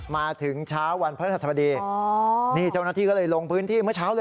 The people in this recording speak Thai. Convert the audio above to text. มาถึงเช้าวันพระธรรมดีอ๋อนี่เจ้าหน้าที่ก็เลยลงพื้นที่เมื่อเช้าเลย